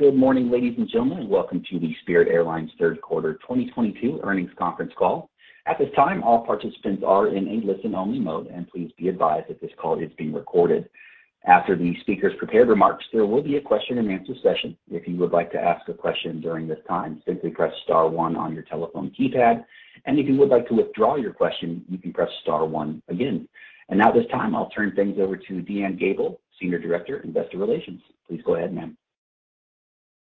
Good morning, ladies and gentlemen. Welcome to the Spirit Airlines third quarter 2022 earnings conference call. At this time, all participants are in a listen-only mode, and please be advised that this call is being recorded. After the speakers' prepared remarks, there will be a question-and-answer session. If you would like to ask a question during this time, simply press star one on your telephone keypad. If you would like to withdraw your question, you can press star one again. Now at this time, I'll turn things over to DeAnne Gabel, Senior Director, Investor Relations. Please go ahead, ma'am.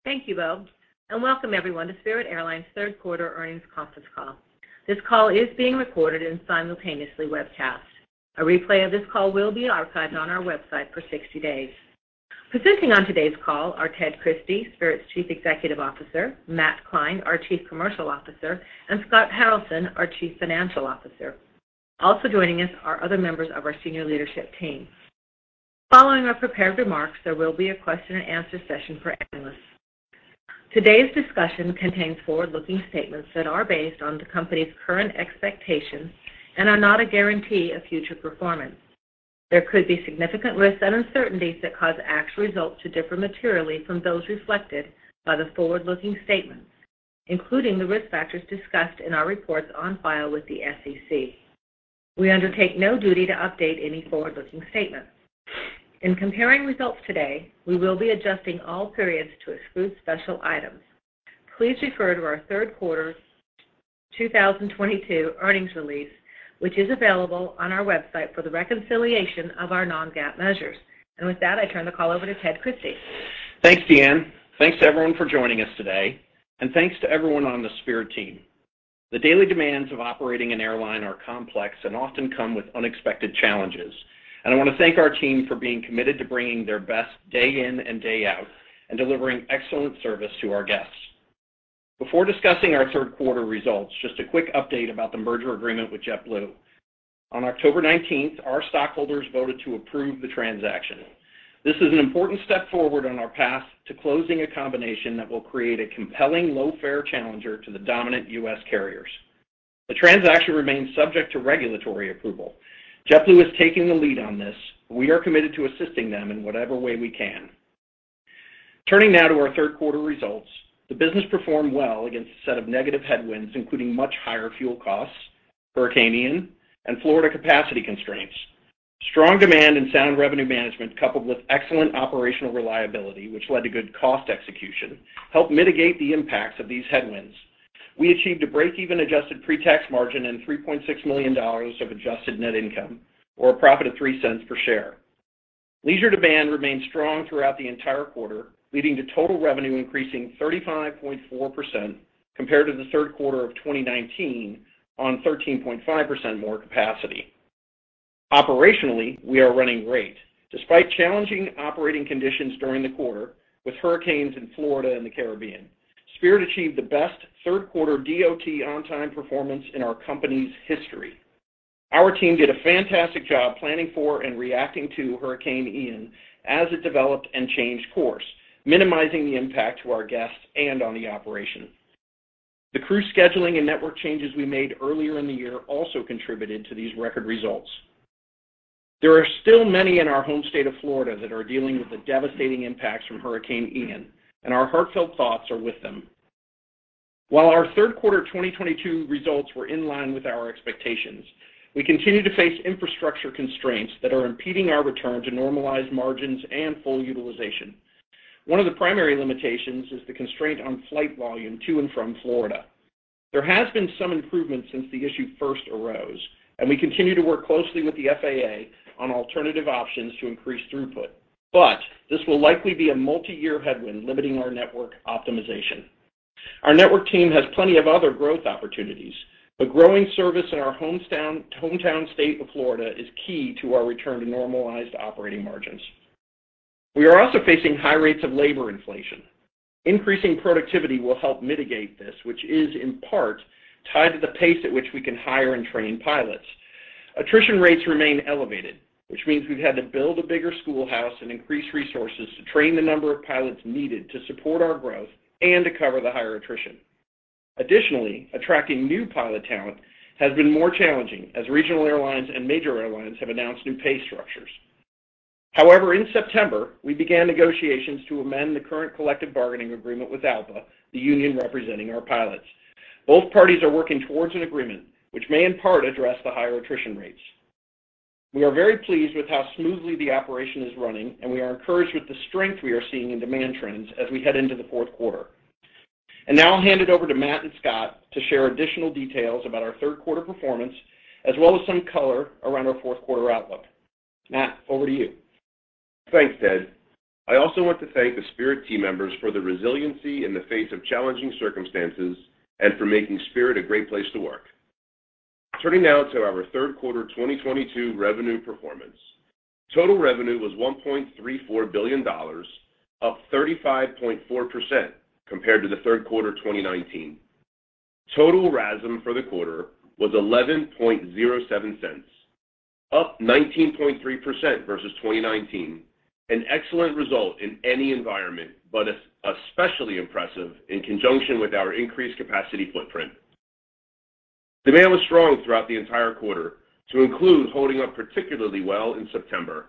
Thank you, Bob, and welcome everyone to Spirit Airlines third quarter earnings conference call. This call is being recorded and simultaneously webcast. A replay of this call will be archived on our website for 60 days. Presenting on today's call are Ted Christie, Spirit's Chief Executive Officer, Matt Klein, our Chief Commercial Officer, and Scott Haralson, our Chief Financial Officer. Also joining us are other members of our senior leadership team. Following our prepared remarks, there will be a question-and-answer session for analysts. Today's discussion contains forward-looking statements that are based on the company's current expectations and are not a guarantee of future performance. There could be significant risks and uncertainties that cause actual results to differ materially from those reflected by the forward-looking statements, including the risk factors discussed in our reports on file with the SEC. We undertake no duty to update any forward-looking statements. In comparing results today, we will be adjusting all periods to exclude special items. Please refer to our third quarter 2022 earnings release, which is available on our website for the reconciliation of our non-GAAP measures. With that, I turn the call over to Ted Christie. Thanks, Deanne. Thanks to everyone for joining us today, and thanks to everyone on the Spirit team. The daily demands of operating an airline are complex and often come with unexpected challenges, and I want to thank our team for being committed to bringing their best day in and day out and delivering excellent service to our guests. Before discussing our third quarter results, just a quick update about the merger agreement with JetBlue. On October nineteenth, our stockholders voted to approve the transaction. This is an important step forward on our path to closing a combination that will create a compelling low-fare challenger to the dominant U.S. carriers. The transaction remains subject to regulatory approval. JetBlue is taking the lead on this. We are committed to assisting them in whatever way we can. Turning now to our third quarter results, the business performed well against a set of negative headwinds, including much higher fuel costs, Hurricane Ian, and Florida capacity constraints. Strong demand and sound revenue management coupled with excellent operational reliability, which led to good cost execution, helped mitigate the impacts of these headwinds. We achieved a break-even adjusted pre-tax margin and $3.6 million of adjusted net income, or a profit of $0.03 per share. Leisure demand remained strong throughout the entire quarter, leading to total revenue increasing 35.4% compared to the third quarter of 2019 on 13.5% more capacity. Operationally, we are running great. Despite challenging operating conditions during the quarter with hurricanes in Florida and the Caribbean, Spirit achieved the best third quarter DOT on-time performance in our company's history. Our team did a fantastic job planning for and reacting to Hurricane Ian as it developed and changed course, minimizing the impact to our guests and on the operation. The crew scheduling and network changes we made earlier in the year also contributed to these record results. There are still many in our home state of Florida that are dealing with the devastating impacts from Hurricane Ian, and our heartfelt thoughts are with them. While our third quarter 2022 results were in line with our expectations, we continue to face infrastructure constraints that are impeding our return to normalized margins and full utilization. One of the primary limitations is the constraint on flight volume to and from Florida. There has been some improvement since the issue first arose, and we continue to work closely with the FAA on alternative options to increase throughput. This will likely be a multi-year headwind limiting our network optimization. Our network team has plenty of other growth opportunities, but growing service in our hometown state of Florida is key to our return to normalized operating margins. We are also facing high rates of labor inflation. Increasing productivity will help mitigate this, which is in part tied to the pace at which we can hire and train pilots. Attrition rates remain elevated, which means we've had to build a bigger schoolhouse and increase resources to train the number of pilots needed to support our growth and to cover the higher attrition. Additionally, attracting new pilot talent has been more challenging as regional airlines and major airlines have announced new pay structures. However, in September, we began negotiations to amend the current collective bargaining agreement with ALPA, the union representing our pilots. Both parties are working towards an agreement which may in part address the higher attrition rates. We are very pleased with how smoothly the operation is running, and we are encouraged with the strength we are seeing in demand trends as we head into the fourth quarter. Now I'll hand it over to Matt and Scott to share additional details about our third quarter performance, as well as some color around our fourth quarter outlook. Matt, over to you. Thanks, Ted. I also want to thank the Spirit team members for their resiliency in the face of challenging circumstances and for making Spirit a great place to work. Turning now to our third quarter 2022 revenue performance. Total revenue was $1.34 billion, up 35.4% compared to the third quarter 2019. Total RASM for the quarter was 11.07 cents, up 19.3% versus 2019, an excellent result in any environment, but especially impressive in conjunction with our increased capacity footprint. Demand was strong throughout the entire quarter to include holding up particularly well in September.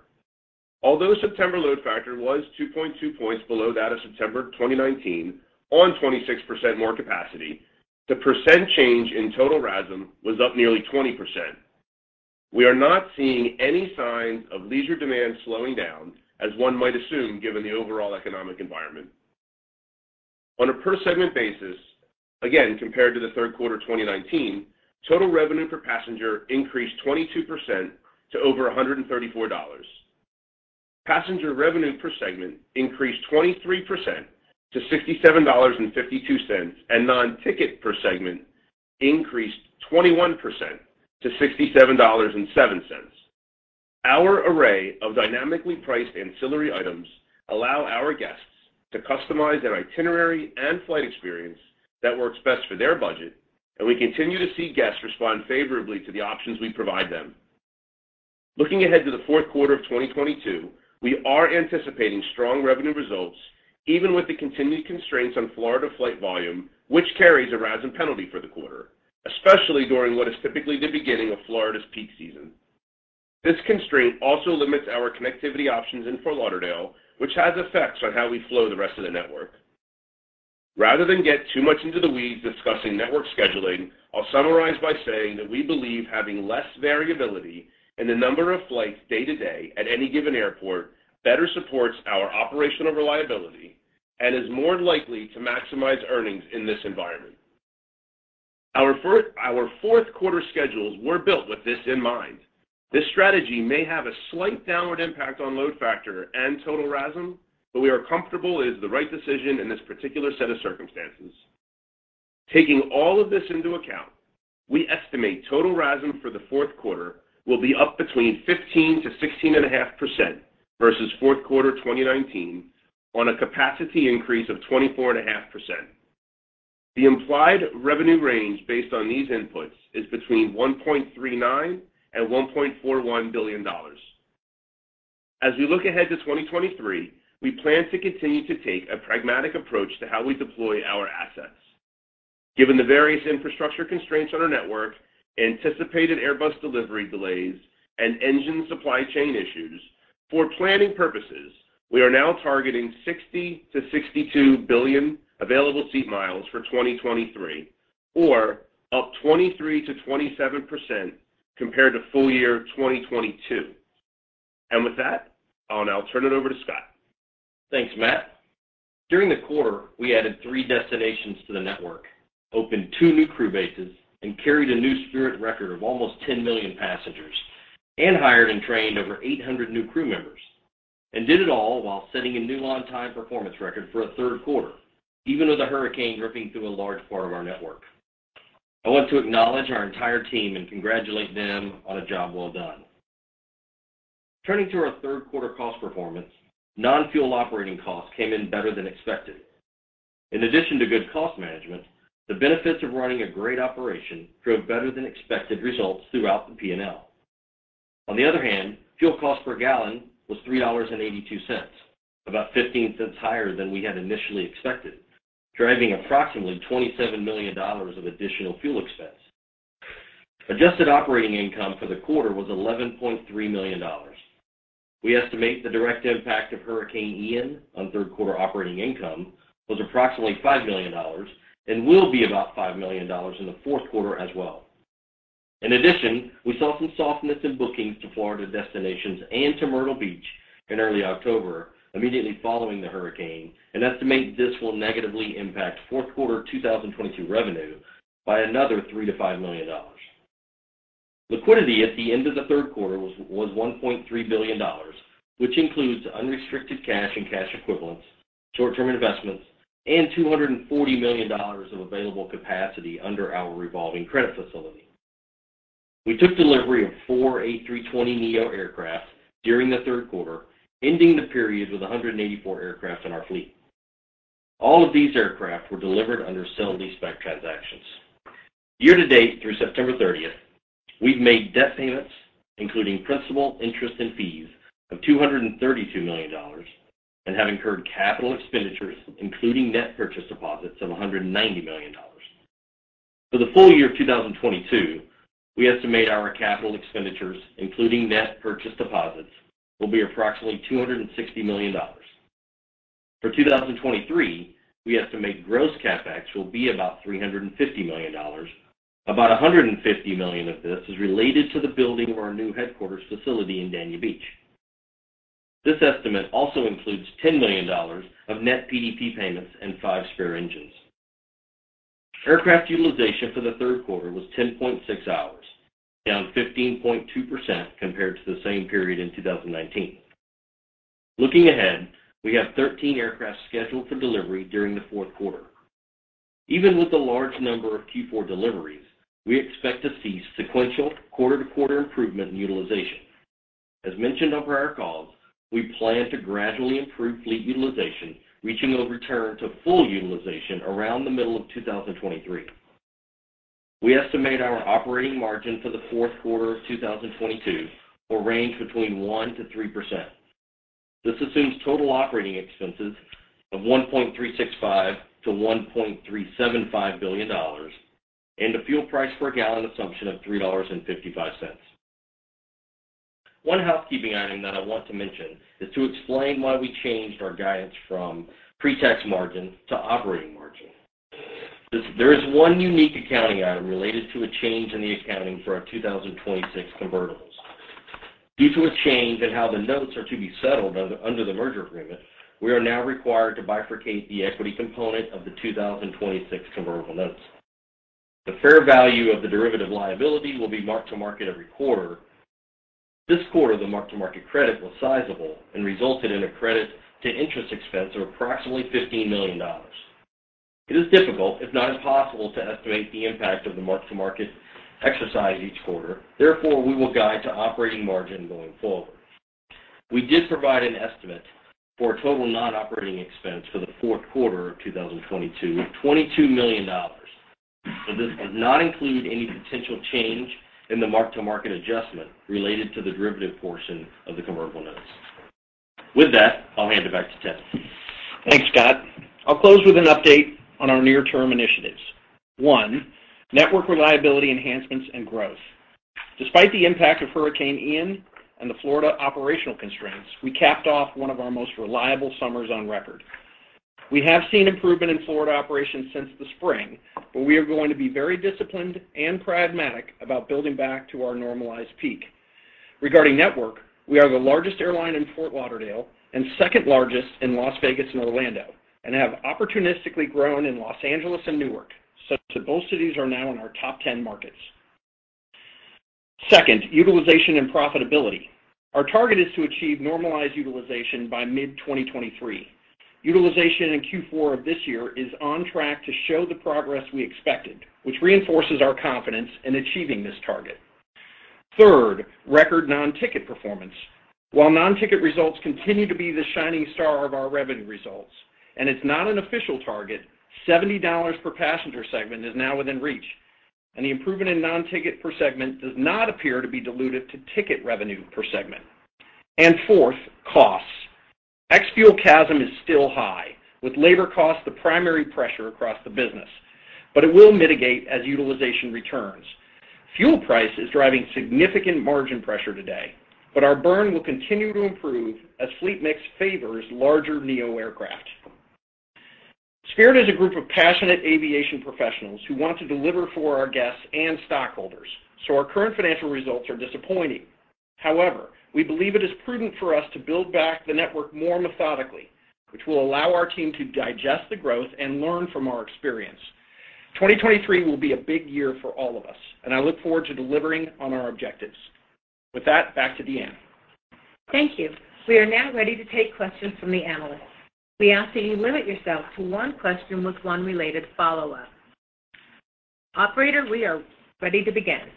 Although September load factor was 2.2 points below that of September 2019 on 26% more capacity, the percent change in total RASM was up nearly 20%. We are not seeing any signs of leisure demand slowing down as one might assume given the overall economic environment. On a per segment basis, again, compared to the third quarter of 2019, total revenue per passenger increased 22% to over $134. Passenger revenue per segment increased 23% to $67.52, and non-ticket per segment increased 21% to $67.07. Our array of dynamically priced ancillary items allow our guests to customize their itinerary and flight experience that works best for their budget, and we continue to see guests respond favorably to the options we provide them. Looking ahead to the fourth quarter of 2022, we are anticipating strong revenue results even with the continued constraints on Florida flight volume, which carries a RASM penalty for the quarter, especially during what is typically the beginning of Florida's peak season. This constraint also limits our connectivity options in Fort Lauderdale, which has effects on how we flow the rest of the network. Rather than get too much into the weeds discussing network scheduling, I'll summarize by saying that we believe having less variability in the number of flights day to day at any given airport better supports our operational reliability and is more likely to maximize earnings in this environment. Our fourth quarter schedules were built with this in mind. This strategy may have a slight downward impact on load factor and total RASM, but we are comfortable it is the right decision in this particular set of circumstances. Taking all of this into account, we estimate total RASM for the fourth quarter will be up between 15%-16.5% versus fourth quarter 2019 on a capacity increase of 24.5%. The implied revenue range based on these inputs is between $1.39 billion and $1.41 billion. As we look ahead to 2023, we plan to continue to take a pragmatic approach to how we deploy our assets. Given the various infrastructure constraints on our network, anticipated Airbus delivery delays and engine supply chain issues, for planning purposes, we are now targeting 60-62 billion available seat miles for 2023 or up 23%-27% compared to full year 2022. With that, I'll now turn it over to Scott. Thanks, Matt. During the quarter, we added three destinations to the network, opened two new crew bases, and carried a new Spirit record of almost 10 million passengers, and hired and trained over 800 new crew members, and did it all while setting a new on-time performance record for a third quarter, even with a hurricane ripping through a large part of our network. I want to acknowledge our entire team and congratulate them on a job well done. Turning to our third quarter cost performance, non-fuel operating costs came in better than expected. In addition to good cost management, the benefits of running a great operation drove better than expected results throughout the P&L. On the other hand, fuel cost per gallon was $3.82, about 15 cents higher than we had initially expected, driving approximately $27 million of additional fuel expense. Adjusted operating income for the quarter was $11.3 million. We estimate the direct impact of Hurricane Ian on third quarter operating income was approximately $5 million and will be about $5 million in the fourth quarter as well. In addition, we saw some softness in bookings to Florida destinations and to Myrtle Beach in early October, immediately following the hurricane, and estimate this will negatively impact fourth quarter 2022 revenue by another $3 million-$5 million. Liquidity at the end of the third quarter was $1.3 billion, which includes unrestricted cash and cash equivalents, short-term investments, and $240 million of available capacity under our revolving credit facility. We took delivery of four A320neo aircraft during the third quarter, ending the period with 184 aircraft in our fleet. All of these aircraft were delivered under sale-leaseback transactions. Year to date through September 30th, we've made debt payments, including principal, interest, and fees of $232 million and have incurred capital expenditures, including net purchase deposits of $190 million. For the full year of 2022, we estimate our capital expenditures, including net purchase deposits, will be approximately $260 million. For 2023, we estimate gross CapEx will be about $350 million. About $150 million of this is related to the building of our new headquarters facility in Dania Beach. This estimate also includes $10 million of net PDP payments and five spare engines. Aircraft utilization for the third quarter was 10.6 hours, down 15.2% compared to the same period in 2019. Looking ahead, we have 13 aircraft scheduled for delivery during the fourth quarter. Even with the large number of Q4 deliveries, we expect to see sequential quarter-to-quarter improvement in utilization. As mentioned over our calls, we plan to gradually improve fleet utilization, reaching a return to full utilization around the middle of 2023. We estimate our operating margin for the fourth quarter of 2022 will range between 1%-3%. This assumes total operating expenses of $1.365 billion-$1.375 billion and a fuel price per gallon assumption of $3.55. One housekeeping item that I want to mention is to explain why we changed our guidance from pre-tax margin to operating margin. There is one unique accounting item related to a change in the accounting for our 2026 convertibles. Due to a change in how the notes are to be settled under the merger agreement, we are now required to bifurcate the equity component of the 2026 convertible notes. The fair value of the derivative liability will be marked to market every quarter. This quarter, the mark-to-market credit was sizable and resulted in a credit to interest expense of approximately $15 million. It is difficult, if not impossible, to estimate the impact of the mark-to-market exercise each quarter. Therefore, we will guide to operating margin going forward. We did provide an estimate for a total non-operating expense for the fourth quarter of 2022, $22 million, but this does not include any potential change in the mark-to-market adjustment related to the derivative portion of the convertible notes. With that, I'll hand it back to Ted. Thanks, Scott. I'll close with an update on our near-term initiatives. One, network reliability enhancements and growth. Despite the impact of Hurricane Ian and the Florida operational constraints, we capped off one of our most reliable summers on record. We have seen improvement in Florida operations since the spring, but we are going to be very disciplined and pragmatic about building back to our normalized peak. Regarding network, we are the largest airline in Fort Lauderdale and second-largest in Las Vegas and Orlando, and have opportunistically grown in Los Angeles and Newark, such that both cities are now in our top 10 markets. Second, utilization and profitability. Our target is to achieve normalized utilization by mid-2023. Utilization in Q4 of this year is on track to show the progress we expected, which reinforces our confidence in achieving this target. Third, record non-ticket performance. While non-ticket results continue to be the shining star of our revenue results, and it's not an official target, $70 per passenger segment is now within reach, and the improvement in non-ticket per segment does not appear to be diluted to ticket revenue per segment. Fourth, costs. CASM ex-fuel is still high, with labor costs the primary pressure across the business, but it will mitigate as utilization returns. Fuel price is driving significant margin pressure today, but our burn will continue to improve as fleet mix favors larger neo-aircraft. Spirit is a group of passionate aviation professionals who want to deliver for our guests and stockholders, so our current financial results are disappointing. However, we believe it is prudent for us to build back the network more methodically, which will allow our team to digest the growth and learn from our experience. 2023 will be a big year for all of us, and I look forward to delivering on our objectives. With that, back to DeAnne. Thank you. We are now ready to take questions from the analysts. We ask that you limit yourself to one question with one related follow-up. Operator, we are ready to begin.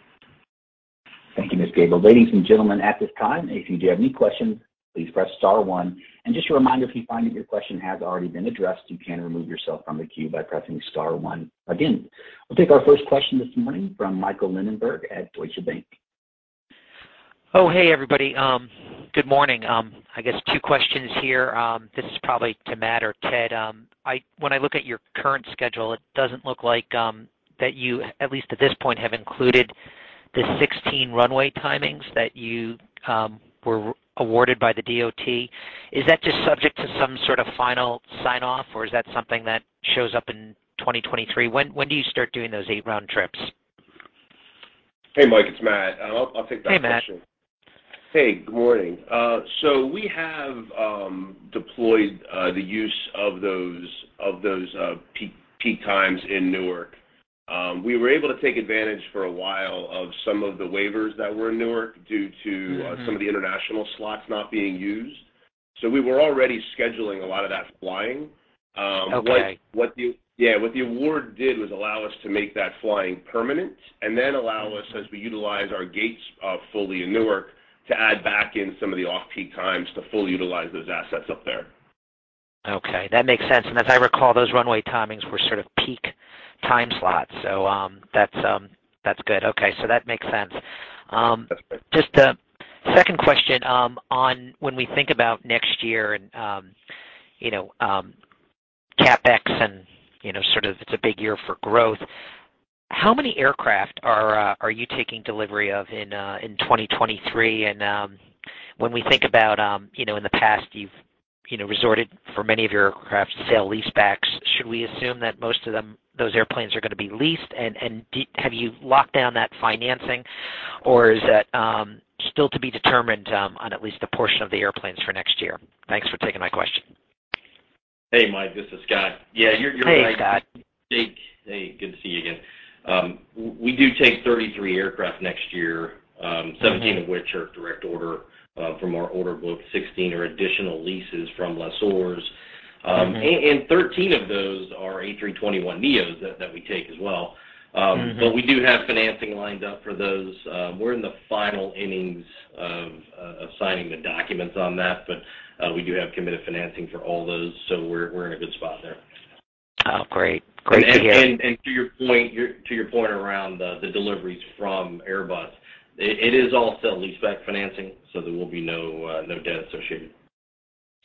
Thank you, Ms. Gabel. Ladies and gentlemen, at this time, if you have any questions, please press star one. Just a reminder, if you find that your question has already been addressed, you can remove yourself from the queue by pressing star one again. We'll take our first question this morning from Michael Linenberg at Deutsche Bank. Oh, hey, everybody. Good morning. I guess two questions here. This is probably to Matt or Ted. When I look at your current schedule, it doesn't look like that you, at least at this point, have included the 16 runway timings that you were awarded by the DOT. Is that just subject to some sort of final sign-off, or is that something that shows up in 2023? When do you start doing those eight round trips? Hey, Mike, it's Matt. I'll take that question. Hey, Matt. Hey, good morning. We have deployed the use of those peak times in Newark. We were able to take advantage for a while of some of the waivers that were in Newark due to. Mm-hmm. Some of the international slots not being used. We were already scheduling a lot of that flying. Okay. Yeah, what the award did was allow us to make that flying permanent and then allow us, as we utilize our gates fully in Newark, to add back in some of the off-peak times to fully utilize those assets up there. Okay, that makes sense. As I recall, those runway timings were sort of peak time slots, so that's good. Okay, that makes sense. Just a second question on when we think about next year and you know CapEx and you know sort of it's a big year for growth. How many aircraft are you taking delivery of in 2023? When we think about you know in the past you've you know resorted to sale leasebacks, should we assume that most of them those airplanes are gonna be leased? Have you locked down that financing, or is that still to be determined on at least a portion of the airplanes for next year? Thanks for taking my question. Hey, Mike, this is Scott. Yeah, you're right. Hey, Scott. Hey. Hey, good to see you again. We do take 33 aircraft next year, 17 of which are direct order from our order book. 16 are additional leases from lessors. 13 of those are A321neos that we take as well. Mm-hmm. We do have financing lined up for those. We're in the final innings of signing the documents on that, but we do have committed financing for all those, so we're in a good spot there. Oh, great. Great to hear To your point around the deliveries from Airbus, it is also leaseback financing, so there will be no debt associated.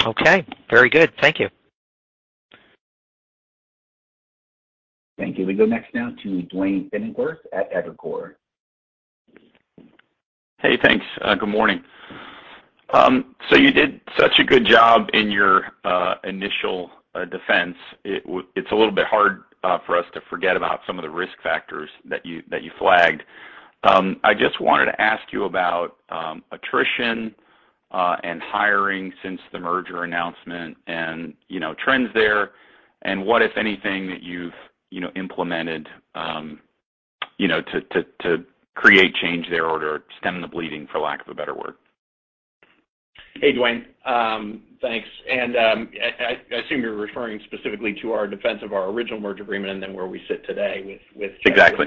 Okay. Very good. Thank you. We go next now to Duane Pfennigwerth at Evercore. Hey, thanks. Good morning. You did such a good job in your initial defense. It's a little bit hard for us to forget about some of the risk factors that you flagged. I just wanted to ask you about attrition and hiring since the merger announcement and, you know, trends there, and what, if anything, that you've, you know, implemented, you know, to create change there or to stem the bleeding, for lack of a better word. Hey, Duane. Thanks. I assume you're referring specifically to our defense of our original merger agreement and then where we sit today with JetBlue. Exactly.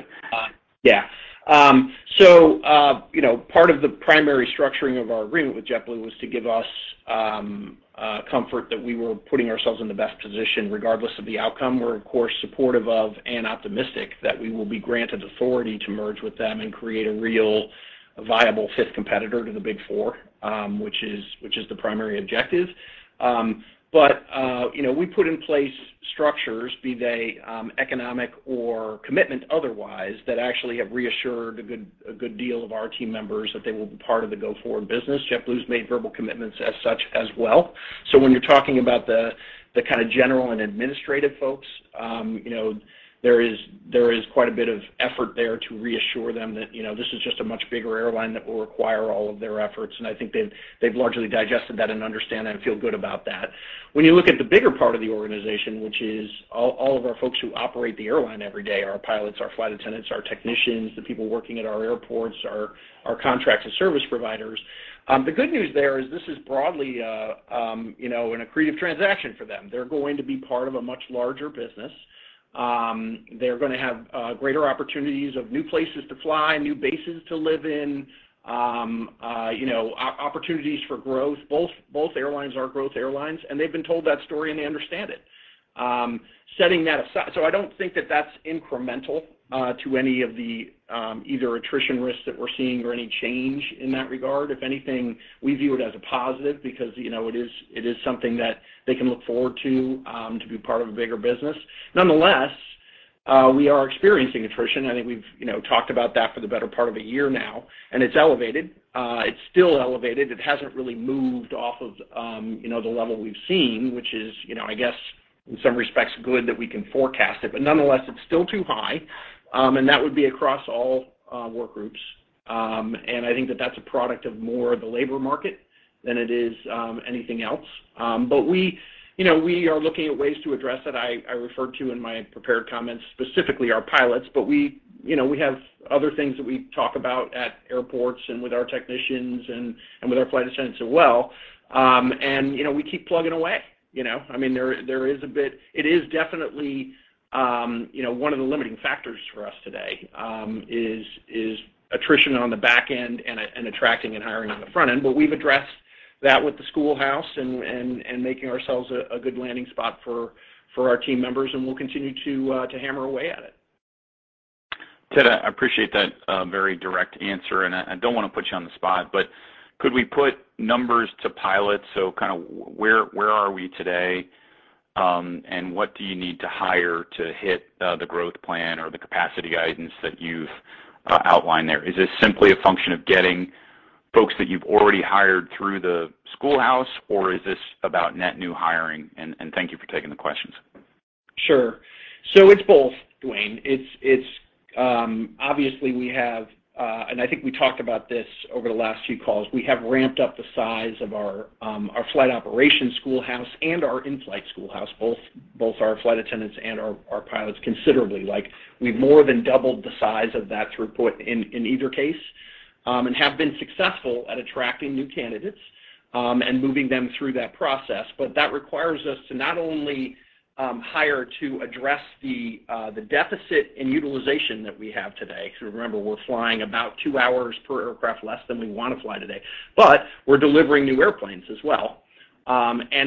You know, part of the primary structuring of our agreement with JetBlue was to give us comfort that we were putting ourselves in the best position regardless of the outcome. We're of course supportive of and optimistic that we will be granted authority to merge with them and create a real viable fifth competitor to the big four, which is the primary objective. You know, we put in place structures, be they economic or commitment otherwise, that actually have reassured a good deal of our team members that they will be part of the go-forward business. JetBlue's made verbal commitments as such as well. When you're talking about the kind of general and administrative folks, you know, there is quite a bit of effort there to reassure them that, you know, this is just a much bigger airline that will require all of their efforts, and I think they've largely digested that and understand that and feel good about that. When you look at the bigger part of the organization, which is all of our folks who operate the airline every day, our pilots, our flight attendants, our technicians, the people working at our airports, our contracted service providers, the good news there is this is broadly, you know, an accretive transaction for them. They're going to be part of a much larger business. They're gonna have greater opportunities of new places to fly, new bases to live in, you know, opportunities for growth. Both airlines are growth airlines, and they've been told that story and they understand it. Setting that aside. I don't think that that's incremental to any of the either attrition risks that we're seeing or any change in that regard. If anything, we view it as a positive because, you know, it is something that they can look forward to be part of a bigger business. Nonetheless, we are experiencing attrition. I think we've, you know, talked about that for the better part of a year now, and it's elevated. It's still elevated. It hasn't really moved off of, you know, the level we've seen, which is, you know, I guess in some respects good that we can forecast it. Nonetheless, it's still too high, and that would be across all work groups. I think that that's a product of more of the labor market than it is anything else. We, you know, we are looking at ways to address it. I referred to in my prepared comments specifically our pilots, but we, you know, we have other things that we talk about at airports and with our technicians and with our flight attendants as well. You know, we keep plugging away, you know. I mean, there is a bit, it is definitely, you know, one of the limiting factors for us today, is attrition on the back end and attracting and hiring on the front end. We've addressed that with the schoolhouse and making ourselves a good landing spot for our team members, and we'll continue to hammer away at it. Ted, I appreciate that, very direct answer, and I don't wanna put you on the spot, but could we put numbers to pilots? So kind of where are we today, and what do you need to hire to hit, the growth plan or the capacity guidance that you've outlined there? Is this simply a function of getting folks that you've already hired through the schoolhouse, or is this about net new hiring? Thank you for taking the questions. Sure. It's both, Duane. It's obviously we have and I think we talked about this over the last few calls, we have ramped up the size of our flight operations schoolhouse and our in-flight schoolhouse, both our flight attendants and our pilots considerably. Like, we've more than doubled the size of that throughput in either case and have been successful at attracting new candidates and moving them through that process. That requires us to not only hire to address the deficit in utilization that we have today, because remember, we're flying about two hours per aircraft less than we wanna fly today, but we're delivering new airplanes as well.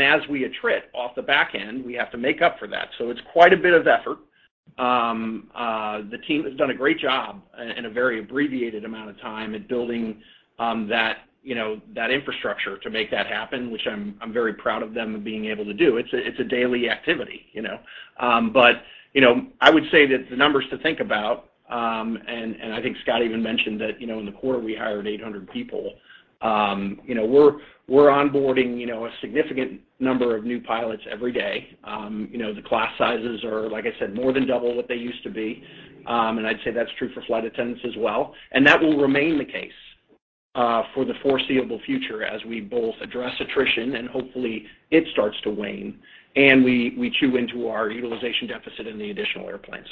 As we attrit off the back end, we have to make up for that. It's quite a bit of effort. The team has done a great job in a very abbreviated amount of time at building that, you know, that infrastructure to make that happen, which I'm very proud of them for being able to do. It's a daily activity, you know. You know, I would say that the numbers to think about, and I think Scott even mentioned that, you know, in the quarter we hired 800 people. You know, we're onboarding a significant number of new pilots every day. You know, the class sizes are, like I said, more than double what they used to be. I'd say that's true for flight attendants as well. That will remain the case for the foreseeable future as we both address attrition and hopefully it starts to wane and we chew into our utilization deficit in the additional airplanes.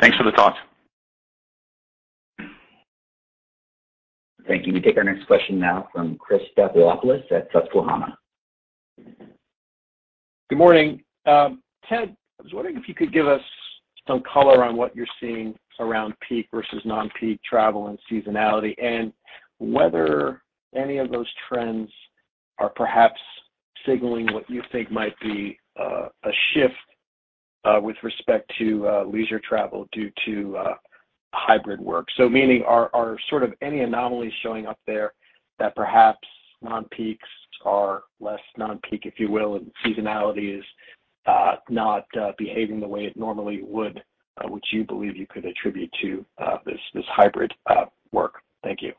Thanks for the thoughts. Thank you. We take our next question now from Christopher Stathoulopoulos at Susquehanna. Good morning. Ted, I was wondering if you could give us Some color on what you're seeing around peak versus non-peak travel and seasonality, and whether any of those trends are perhaps signaling what you think might be a shift with respect to leisure travel due to hybrid work. Meaning are sort of any anomalies showing up there that perhaps non-peaks are less non-peak, if you will, and seasonality is not behaving the way it normally would, which you believe you could attribute to this hybrid work? Thank you.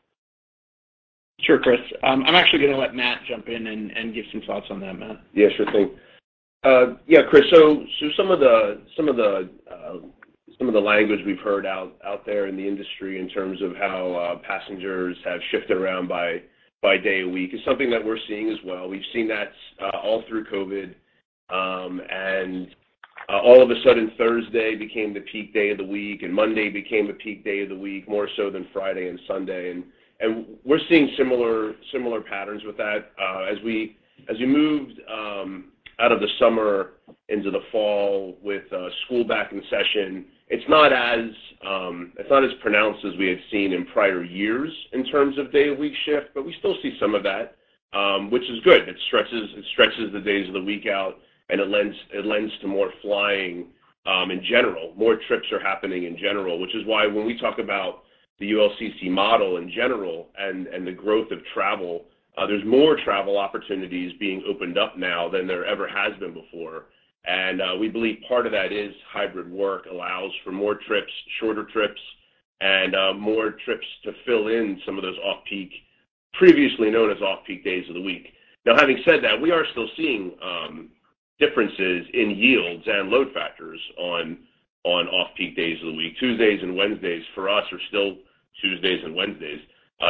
Sure, Chris. I'm actually gonna let Matt jump in and give some thoughts on that. Matt? Yeah, sure thing. Yeah, Chris, some of the language we've heard out there in the industry in terms of how passengers have shifted around by day of week is something that we're seeing as well. We've seen that all through COVID. All of a sudden Thursday became the peak day of the week, and Monday became the peak day of the week, more so than Friday and Sunday. We're seeing similar patterns with that. As we moved out of the summer into the fall with school back in session, it's not as pronounced as we had seen in prior years in terms of day of week shift, but we still see some of that, which is good. It stretches the days of the week out, and it lends to more flying in general. More trips are happening in general, which is why when we talk about the ULCC model in general and the growth of travel, there's more travel opportunities being opened up now than there ever has been before. We believe part of that is hybrid work allows for more trips, shorter trips, and more trips to fill in some of those off-peak, previously known as off-peak days of the week. Now having said that, we are still seeing differences in yields and load factors on off-peak days of the week. Tuesdays and Wednesdays for us are still Tuesdays and Wednesdays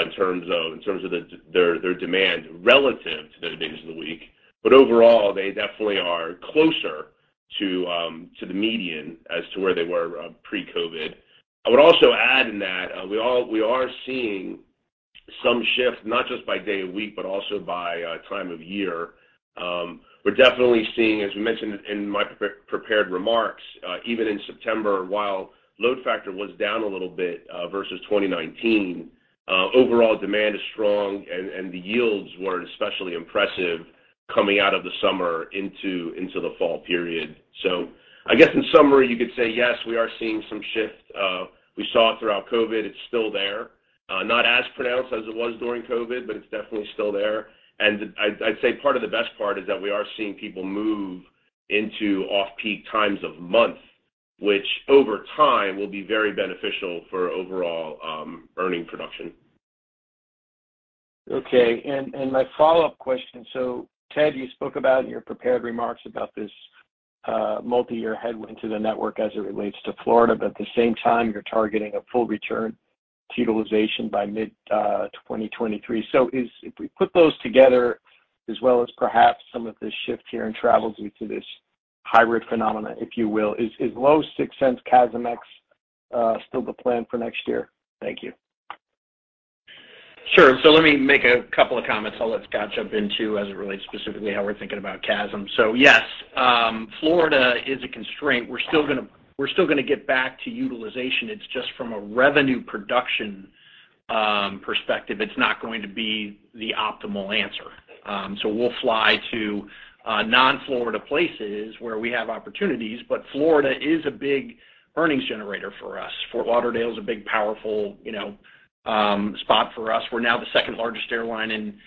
in terms of their demand relative to those days of the week. Overall, they definitely are closer to the median as to where they were pre-COVID. I would also add in that we are seeing some shifts not just by day of week, but also by time of year. We're definitely seeing, as we mentioned in my pre-prepared remarks, even in September, while load factor was down a little bit versus 2019, overall demand is strong and the yields were especially impressive coming out of the summer into the fall period. I guess in summary, you could say yes, we are seeing some shifts. We saw it throughout COVID. It's still there. Not as pronounced as it was during COVID, but it's definitely still there. I'd say part of the best part is that we are seeing people move into off-peak times of month, which over time will be very beneficial for overall, earning production. Okay, my follow-up question, so Ted, you spoke about in your prepared remarks about this multi-year headwind to the network as it relates to Florida, but at the same time you're targeting a full return to utilization by mid-2023. If we put those together as well as perhaps some of the shift here in travel due to this hybrid phenomena, if you will, is low sixes CASM ex-fuel still the plan for next year? Thank you. Sure. Let me make a couple of comments. I'll let Scott jump in too, as it relates specifically how we're thinking about CASM. Yes, Florida is a constraint. We're still gonna get back to utilization. It's just from a revenue production perspective, it's not going to be the optimal answer. We'll fly to non-Florida places where we have opportunities, but Florida is a big earnings generator for us. Fort Lauderdale is a big powerful, you know, spot for us. We're now the second-largest airline in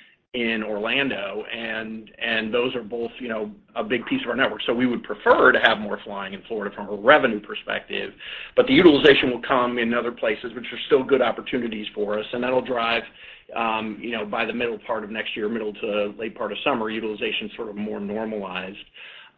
Orlando and those are both, you know, a big piece of our network. We would prefer to have more flying in Florida from a revenue perspective, but the utilization will come in other places which are still good opportunities for us, and that'll drive, you know, by the middle part of next year, middle to late part of summer, utilization sort of more normalized.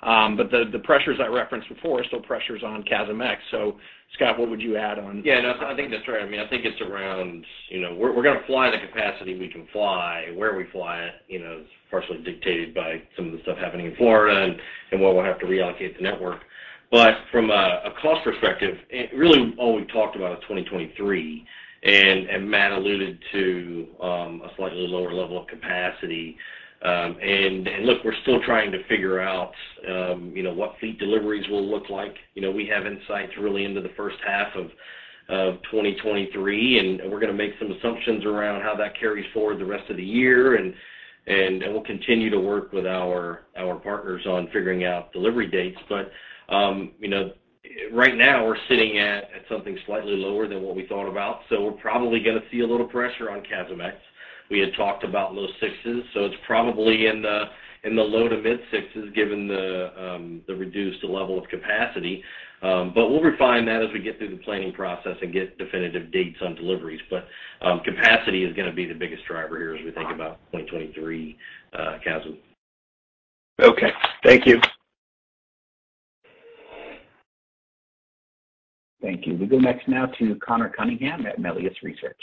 But the pressures I referenced before are still pressures on CASM ex-fuel. Scott, what would you add on- Yeah, no, I think that's right. I mean, I think it's around, you know, we're gonna fly the capacity we can fly. Where we fly it, you know, is partially dictated by some of the stuff happening in Florida and where we'll have to reallocate the network. But from a cost perspective, it really all we've talked about is 2023, and Matt alluded to a slightly lower level of capacity. Look, we're still trying to figure out, you know, what fleet deliveries will look like. You know, we have insights really into the first half of 2023, and we're gonna make some assumptions around how that carries forward the rest of the year and we'll continue to work with our partners on figuring out delivery dates. Right now we're sitting at something slightly lower than what we thought about, so we're probably gonna see a little pressure on CASM ex-fuel. We had talked about low sixes, so it's probably in the low to mid sixes given the reduced level of capacity. We'll refine that as we get through the planning process and get definitive dates on deliveries. Capacity is gonna be the biggest driver here as we think about 2023 CASM. Okay. Thank you. Thank you. We'll go next now to Conor Cunningham at Melius Research.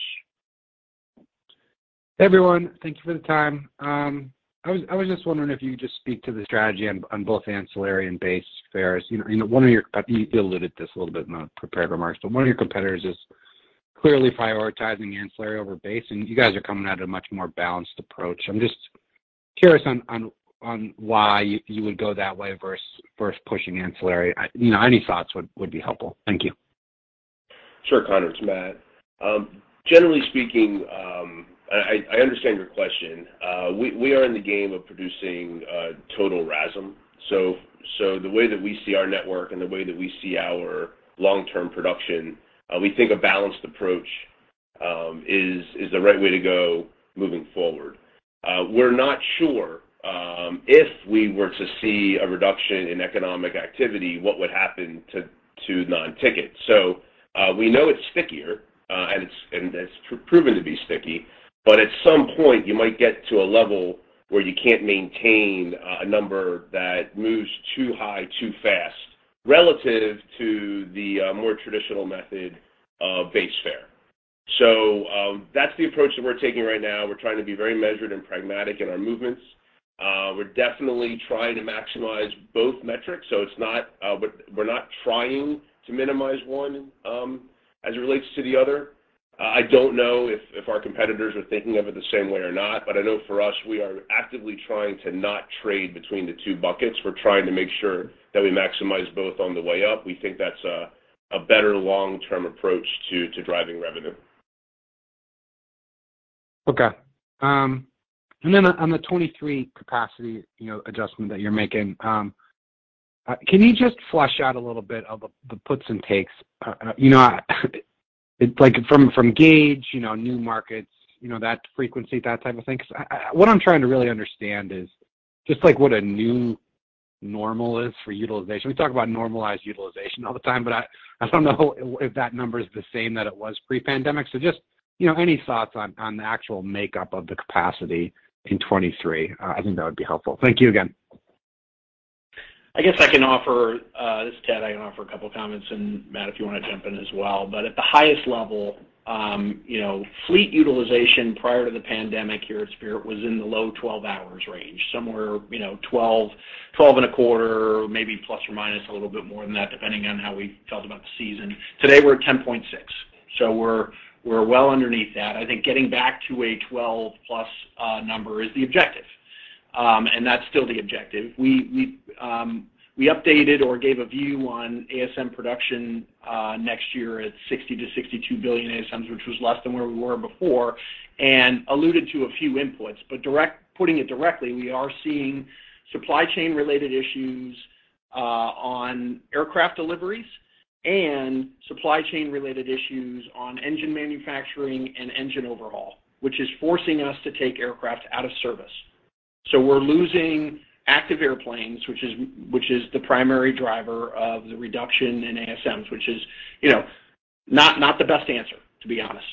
Hey, everyone. Thank you for the time. I was just wondering if you could just speak to the strategy on both ancillary and base fares. You know, you alluded to this a little bit in the prepared remarks, but one of your competitors is clearly prioritizing ancillary over base, and you guys are coming at it at a much more balanced approach. I'm just curious on why you would go that way versus pushing ancillary. You know, any thoughts would be helpful. Thank you. Sure, Connor, it's Matt. Generally speaking, I understand your question. We are in the game of producing total RASM. The way that we see our network and the way that we see our long-term production, we think a balanced approach is the right way to go moving forward. We're not sure if we were to see a reduction in economic activity, what would happen to non-ticket. We know it's stickier and it's proven to be sticky, but at some point you might get to a level where you can't maintain a number that moves too high, too fast relative to the more traditional method of base fare. That's the approach that we're taking right now. We're trying to be very measured and pragmatic in our movements. We're definitely trying to maximize both metrics, so it's not. We're not trying to minimize one, as it relates to the other. I don't know if our competitors are thinking of it the same way or not, but I know for us, we are actively trying to not trade between the two buckets. We're trying to make sure that we maximize both on the way up. We think that's a better long-term approach to driving revenue. Okay. Then on the 2023 capacity, you know, adjustment that you're making, can you just flesh out a little bit of the puts and takes? You know, like from growth, you know, new markets, you know, that frequency, that type of thing. 'Cause what I'm trying to really understand is just like what a new normal is for utilization. We talk about normalized utilization all the time, but I don't know if that number is the same that it was pre-pandemic. Just, you know, any thoughts on the actual makeup of the capacity in 2023, I think that would be helpful. Thank you again. I guess I can offer. This is Ted. I can offer a couple comments, and Matt, if you wanna jump in as well. At the highest level, you know, fleet utilization prior to the pandemic here at Spirit was in the low 12 hours range, somewhere, you know, 12.25, maybe plus or minus a little bit more than that, depending on how we felt about the season. Today, we're at 10.6, so we're well underneath that. I think getting back to a 12+ number is the objective, and that's still the objective. We updated or gave a view on ASM production next year at 60-62 billion ASMs, which was less than where we were before, and alluded to a few inputs. Putting it directly, we are seeing supply chain related issues on aircraft deliveries and supply chain related issues on engine manufacturing and engine overhaul, which is forcing us to take aircraft out of service. We're losing active airplanes, which is the primary driver of the reduction in ASMs, which is, you know, not the best answer, to be honest.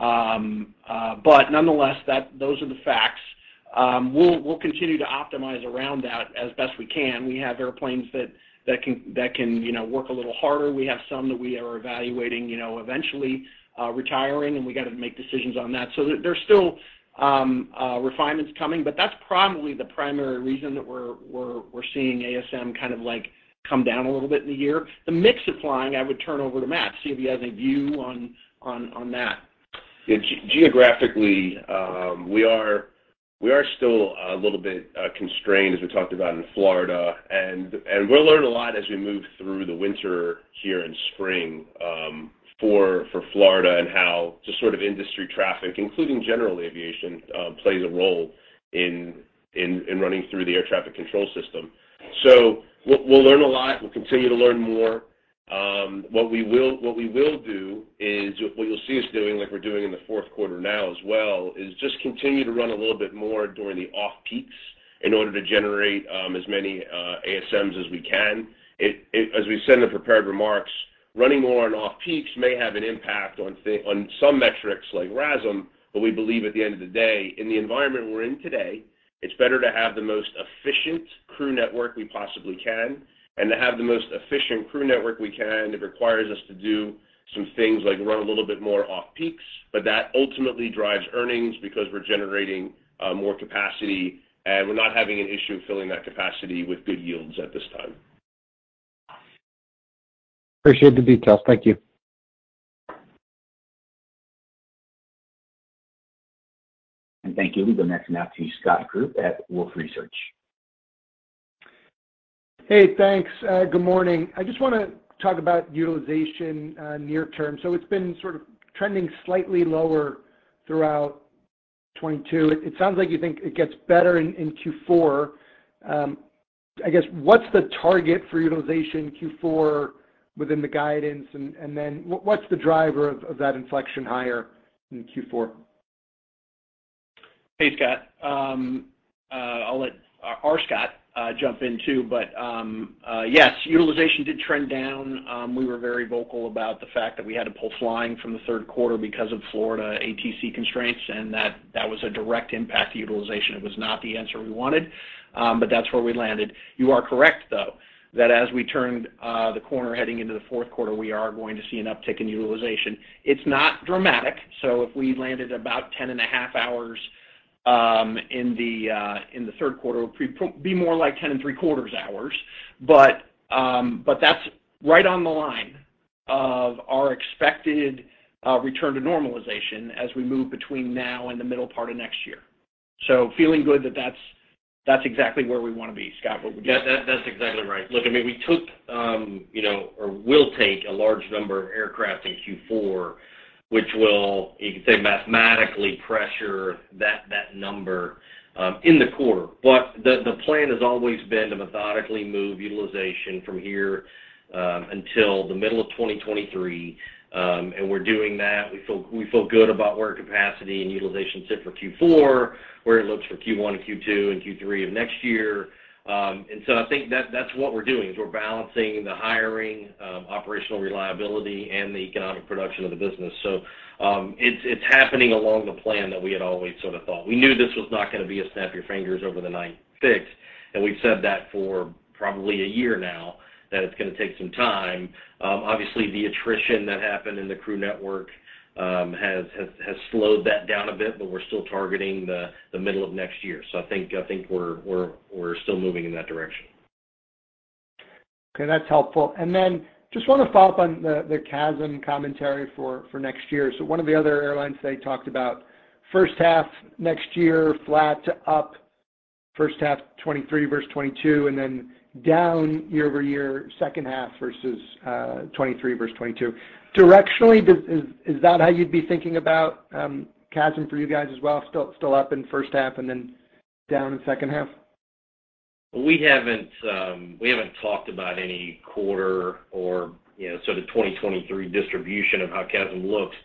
Nonetheless, those are the facts. We'll continue to optimize around that as best we can. We have airplanes that can, you know, work a little harder. We have some that we are evaluating, you know, eventually retiring, and we got to make decisions on that. There are still refinements coming, but that's probably the primary reason that we're seeing ASM kind of like come down a little bit in the year. The mix of flying, I would turn over to Matt, see if he has any view on that. Yeah. Geographically, we are still a little bit constrained, as we talked about in Florida. We'll learn a lot as we move through the winter here and spring, for Florida and how just sort of industry traffic, including general aviation, plays a role in running through the air traffic control system. We'll learn a lot. We'll continue to learn more. What you'll see us doing, like we're doing in the fourth quarter now as well, is just continue to run a little bit more during the off-peaks in order to generate as many ASMs as we can. As we said in the prepared remarks, running more on off-peaks may have an impact on some metrics like RASM. We believe at the end of the day, in the environment we're in today, it's better to have the most efficient crew network we possibly can. To have the most efficient crew network we can, it requires us to do some things like run a little bit more off-peaks, but that ultimately drives earnings because we're generating more capacity, and we're not having an issue filling that capacity with good yields at this time. Appreciate the details. Thank you. Thank you. We'll go next now to Scott Group at Wolfe Research. Hey, thanks. Good morning. I just wanna talk about utilization near term. It's been sort of trending slightly lower throughout 2022. It sounds like you think it gets better in Q4. I guess what's the target for utilization Q4 within the guidance, and then what's the driver of that inflection higher in Q4? Hey, Scott. I'll let our Scott jump in too. Yes, utilization did trend down. We were very vocal about the fact that we had to pull flying from the third quarter because of Florida ATC constraints, and that was a direct impact to utilization. It was not the answer we wanted, but that's where we landed. You are correct, though, that as we turn the corner heading into the fourth quarter, we are going to see an uptick in utilization. It's not dramatic, so if we landed about 10.5 hours in the third quarter, it will be more like 10.75 hours. That's right on the line of our expected return to normalization as we move between now and the middle part of next year. Feeling good that that's exactly where we wanna be. Scott, what would you? Yes, that's exactly right. Look, I mean, we took or will take a large number of aircraft in Q4, which will, you could say, mathematically pressure that number in the quarter. The plan has always been to methodically move utilization from here until the middle of 2023, and we're doing that. We feel good about where capacity and utilization sit for Q4, where it looks for Q1 and Q2 and Q3 of next year. I think that's what we're doing, is we're balancing the hiring, operational reliability and the economic production of the business. It's happening along the plan that we had always sort of thought. We knew this was not gonna be a snap your fingers overnight fix, and we've said that for probably a year now, that it's gonna take some time. Obviously the attrition that happened in the crew network has slowed that down a bit, but we're still targeting the middle of next year. I think we're still moving in that direction. Okay, that's helpful. Just wanna follow up on the CASM commentary for next year. One of the other airlines today talked about first half next year, flat to up first half 2023 versus 2022, and then down year-over-year second half versus 2023 versus 2022. Directionally, is that how you'd be thinking about CASM for you guys as well, still up in first half and then down in second half? We haven't talked about any quarter or, you know, sort of 2023 distribution of how CASM looks.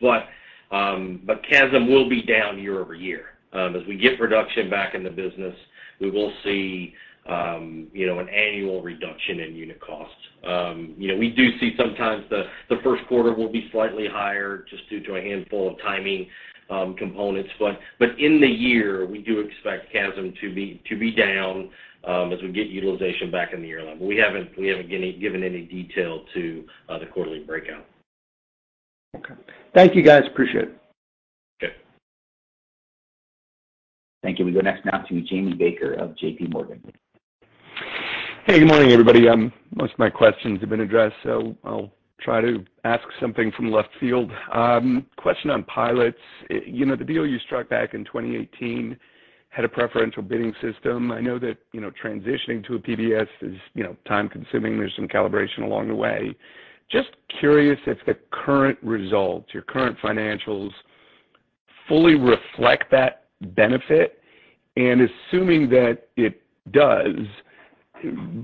CASM will be down year-over-year. As we get production back in the business, we will see, you know, an annual reduction in unit costs. We do see sometimes the first quarter will be slightly higher just due to a handful of timing components. In the year, we do expect CASM to be down as we get utilization back in the year. We haven't given any detail to the quarterly breakout. Okay. Thank you guys. Appreciate it. Okay. Thank you. We go next now to Jamie Baker of JPMorgan. Hey, good morning, everybody. Most of my questions have been addressed, so I'll try to ask something from left field. Question on pilots. You know, the deal you struck back in 2018 had a preferential bidding system. I know that, you know, transitioning to a PBS is, you know, time-consuming. There's some calibration along the way. Just curious if the current results, your current financials fully reflect that benefit, and assuming that it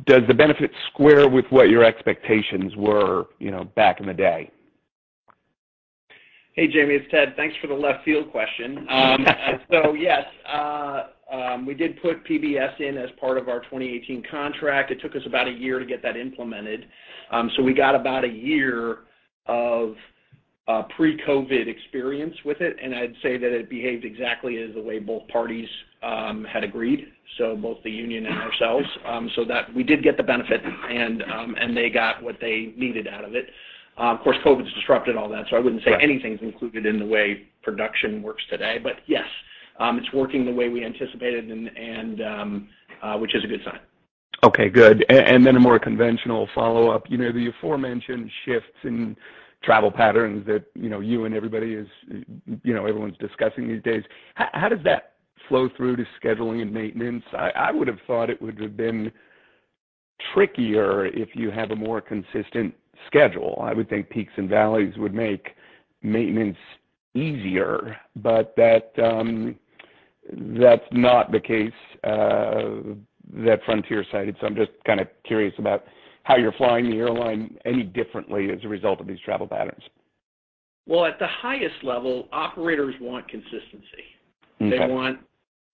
does the benefit square with what your expectations were, you know, back in the day? Hey, Jamie, it's Ted. Thanks for the left field question. Yes. We did put PBS in as part of our 2018 contract. It took us about a year to get that implemented, so we got about a year of pre-COVID experience with it, and I'd say that it behaved exactly as the way both parties had agreed, so both the union and ourselves. That we did get the benefit, and they got what they needed out of it. Of course, COVID's disrupted all that, so I wouldn't say anything's included in the way production works today. Yes, it's working the way we anticipated and which is a good sign. Okay, good. A more conventional follow-up. You know, the aforementioned shifts in travel patterns that, you know, you and everybody is, you know, everyone's discussing these days, how does that flow through to scheduling and maintenance? I would have thought it would have been trickier if you had a more consistent schedule. I would think peaks and valleys would make maintenance easier, but that's not the case that Frontier cited. I'm just kind of curious about how you're flying the airline any differently as a result of these travel patterns. Well, at the highest level, operators want consistency. Okay.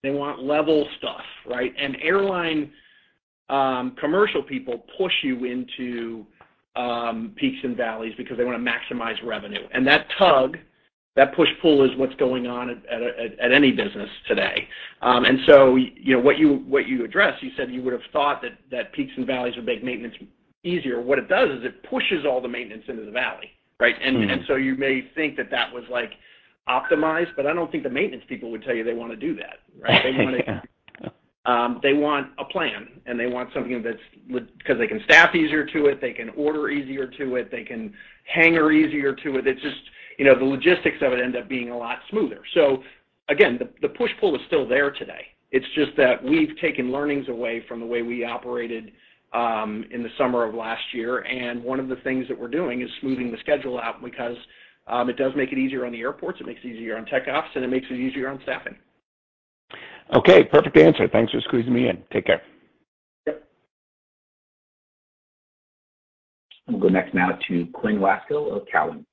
They want level stuff, right? Airline commercial people push you into peaks and valleys because they wanna maximize revenue. That tug, that push-pull is what's going on at any business today. You know, what you addressed, you said you would have thought that peaks and valleys would make maintenance easier. What it does is it pushes all the maintenance into the valley, right? Mm-hmm. You may think that was like optimized, but I don't think the maintenance people would tell you they wanna do that, right? Yeah. They wanna, they want a plan, and they want something that's because they can staff easier to it, they can order easier to it, they can hangar easier to it. It's just, you know, the logistics of it end up being a lot smoother. Again, the push-pull is still there today. It's just that we've taken learnings away from the way we operated in the summer of last year, and one of the things that we're doing is smoothing the schedule out because it does make it easier on the airports, it makes it easier on tech ops, and it makes it easier on staffing. Okay, perfect answer. Thanks for squeezing me in. Take care. Yep. We'll go next now to Quinn Lasko of Cowen.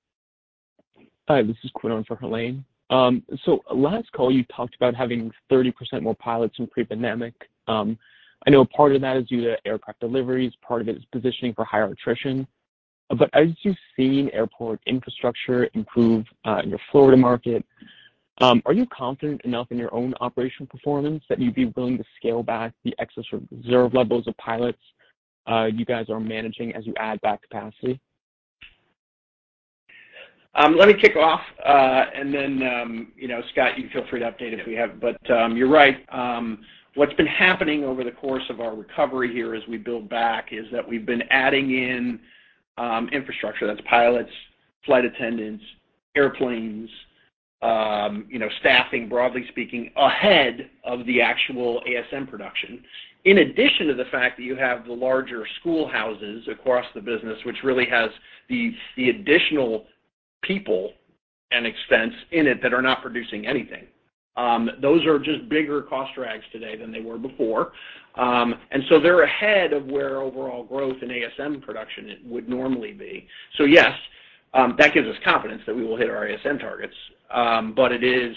Hi, this is Quinn in for Helane. Last call, you talked about having 30% more pilots than pre-pandemic. I know part of that is due to aircraft deliveries, part of it is positioning for higher attrition. As you've seen airport infrastructure improve in your Florida market, are you confident enough in your own operational performance that you'd be willing to scale back the excess reserve levels of pilots you guys are managing as you add back capacity? Let me kick off, and then you know, Scott, you can feel free to update if we have. You're right. What's been happening over the course of our recovery here as we build back is that we've been adding in infrastructure. That's pilots, flight attendants, airplanes, you know, staffing, broadly speaking, ahead of the actual ASM production. In addition to the fact that you have the larger schoolhouses across the business, which really has the additional people and expense in it that are not producing anything. Those are just bigger cost drags today than they were before. They're ahead of where overall growth in ASM production would normally be. Yes, that gives us confidence that we will hit our ASM targets. It is,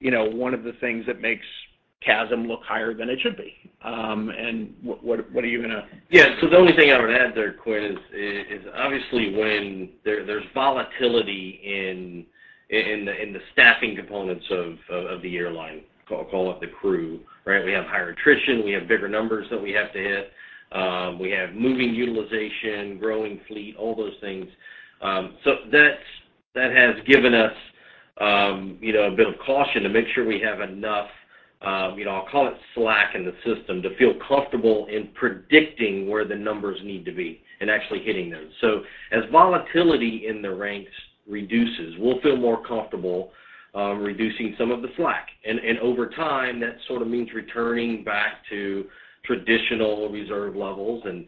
you know, one of the things that makes CASM look higher than it should be. What are you gonna- Yeah. The only thing I would add there, Quinn, is obviously when there's volatility in the staffing components of the airline, call it the crew, right? We have higher attrition, we have bigger numbers that we have to hit, we have moving utilization, growing fleet, all those things. That has given us, you know, a bit of caution to make sure we have enough, you know, I'll call it slack in the system to feel comfortable in predicting where the numbers need to be and actually hitting those. As volatility in the ranks reduces, we'll feel more comfortable reducing some of the slack. Over time, that sort of means returning back to traditional reserve levels and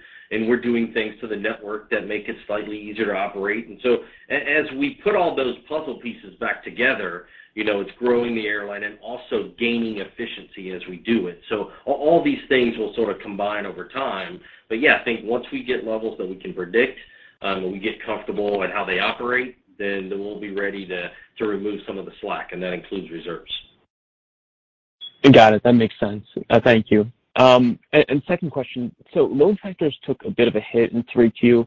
we're doing things to the network that make it slightly easier to operate. As we put all those puzzle pieces back together, you know, it's growing the airline and also gaining efficiency as we do it. All these things will sort of combine over time. Yeah, I think once we get levels that we can predict, when we get comfortable in how they operate, then we'll be ready to remove some of the slack, and that includes reserves. Got it. That makes sense. Thank you. Second question. Load factors took a bit of a hit in 3Q.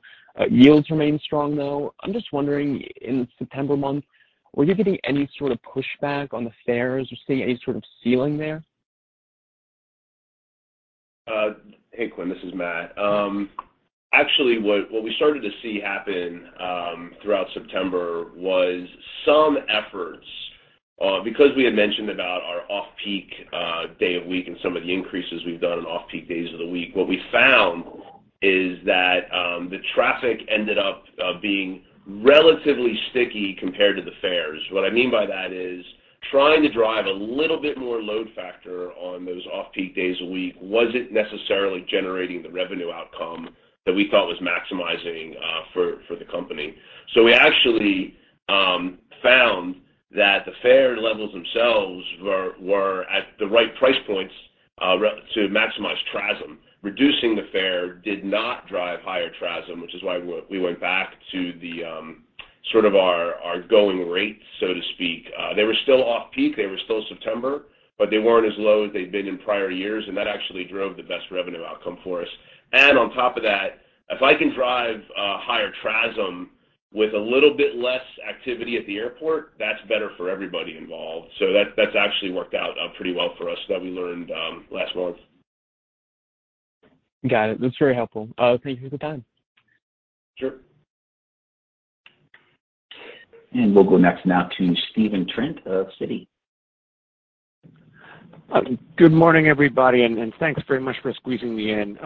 Yields remained strong, though. I'm just wondering, in September month, were you getting any sort of pushback on the fares? You seeing any sort of ceiling there? Hey, Quinn, this is Matt. Actually, what we started to see happen throughout September was some efforts. Because we had mentioned about our off-peak day of week and some of the increases we've done on off-peak days of the week, what we found is that the traffic ended up being relatively sticky compared to the fares. What I mean by that is trying to drive a little bit more load factor on those off-peak days a week wasn't necessarily generating the revenue outcome that we thought was maximizing for the company. We actually found that the fare levels themselves were at the right price points to maximize TRASM. Reducing the fare did not drive higher TRASM, which is why we went back to the sort of our going rate, so to speak. They were still off-peak, they were still September, but they weren't as low as they'd been in prior years, and that actually drove the best revenue outcome for us. On top of that, if I can drive higher TRASM with a little bit less activity at the airport, that's better for everybody involved. That's actually worked out pretty well for us that we learned last month. Got it. That's very helpful. Thank you for the time. Sure. We'll go next now to Stephen Trent of Citi. Good morning, everybody, and thanks very much for squeezing me in.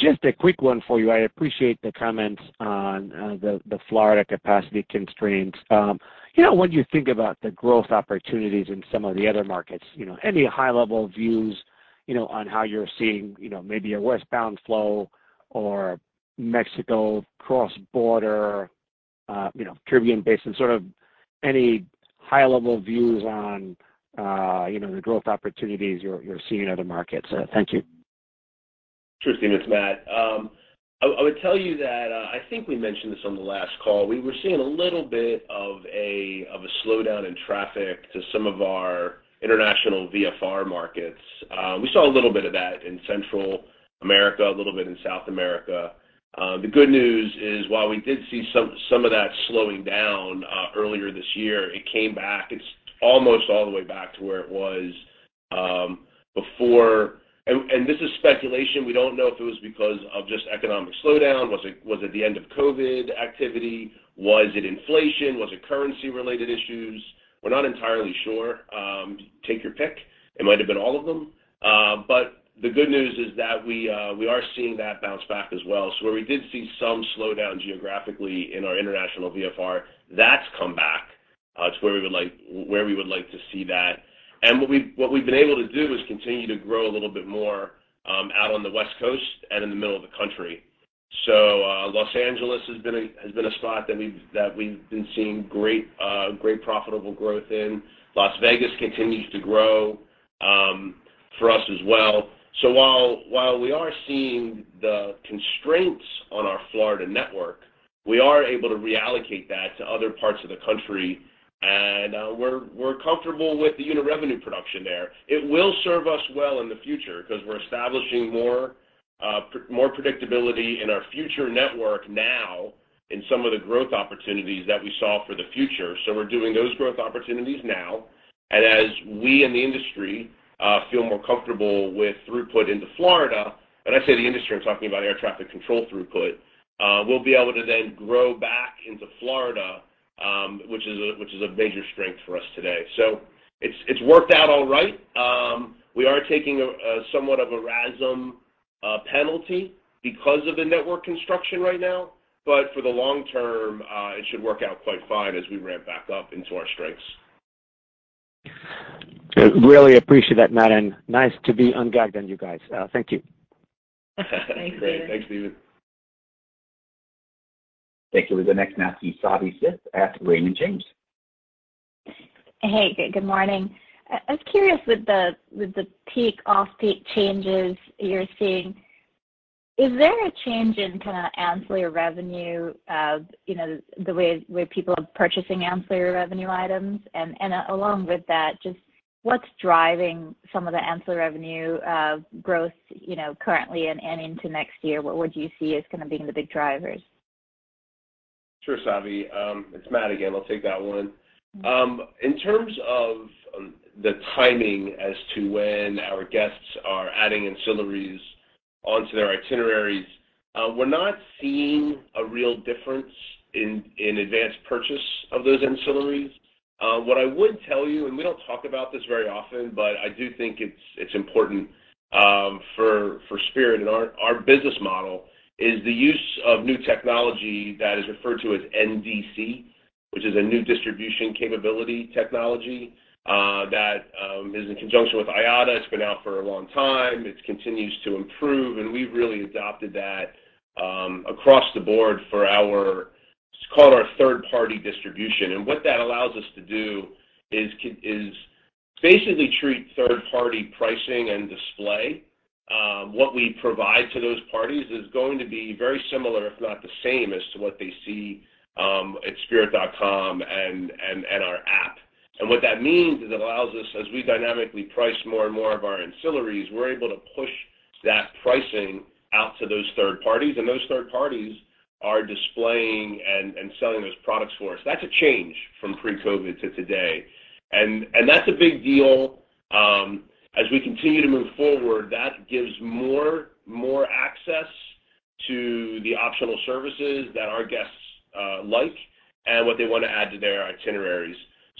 Just a quick one for you. I appreciate the comments on the Florida capacity constraints. You know, when you think about the growth opportunities in some of the other markets, you know, any high-level views, you know, on how you're seeing, you know, maybe a westbound flow or Mexico cross-border, you know, Caribbean Basin, sort of any high-level views on the growth opportunities you're seeing in other markets. Thank you. Sure, Stephen. It's Matt. I would tell you that I think we mentioned this on the last call. We were seeing a little bit of a slowdown in traffic to some of our international VFR markets. We saw a little bit of that in Central America, a little bit in South America. The good news is while we did see some of that slowing down earlier this year, it came back. It's almost all the way back to where it was before. This is speculation. We don't know if it was because of just economic slowdown. Was it the end of COVID activity? Was it inflation? Was it currency-related issues? We're not entirely sure. Take your pick. It might have been all of them. The good news is that we are seeing that bounce back as well. Where we did see some slowdown geographically in our international VFR, that's come back to where we would like to see that. What we've been able to do is continue to grow a little bit more out on the West Coast and in the middle of the country. Los Angeles has been a spot that we've been seeing great profitable growth in. Las Vegas continues to grow for us as well. While we are seeing the constraints on our Florida network, we are able to reallocate that to other parts of the country. We're comfortable with the unit revenue production there. It will serve us well in the future because we're establishing more predictability in our future network now in some of the growth opportunities that we saw for the future. We're doing those growth opportunities now. As we in the industry feel more comfortable with throughput into Florida, when I say the industry, I'm talking about air traffic control throughput, we'll be able to then grow back into Florida, which is a major strength for us today. It's worked out all right. We are taking a somewhat of a RASM penalty because of the network construction right now, but for the long term, it should work out quite fine as we ramp back up into our strengths. Really appreciate that, Matt, and nice to be ungagged on you guys. Thank you. Thank you. Great. Thanks, David. Thank you. The next line, Savi Syth at Raymond James. Hey, good morning. I was curious with the peak off-peak changes you're seeing, is there a change in kind of ancillary revenue of, you know, the way people are purchasing ancillary revenue items? Along with that, just what's driving some of the ancillary revenue growth, you know, currently and into next year? What would you see as kind of being the big drivers? Sure, Savi. It's Matt again, I'll take that one. In terms of the timing as to when our guests are adding ancillaries onto their itineraries, we're not seeing a real difference in advanced purchase of those ancillaries. What I would tell you, we don't talk about this very often, but I do think it's important for Spirit and our business model is the use of new technology that is referred to as NDC, which is a new distribution capability technology, that is in conjunction with IATA. It's been out for a long time. It continues to improve, and we've really adopted that across the board for our third-party distribution. What that allows us to do is basically treat third-party pricing and display. What we provide to those parties is going to be very similar, if not the same, as to what they see at spirit.com and our app. What that means is it allows us, as we dynamically price more and more of our ancillaries, we're able to push that pricing out to those third parties, and those third parties are displaying and selling those products for us. That's a change from pre-COVID to today. That's a big deal. As we continue to move forward, that gives more access to the optional services that our guests like and what they wanna add to their itineraries.